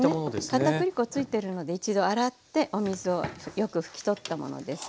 かたくり粉ついてるので一度洗ってお水をよく拭き取ったものです。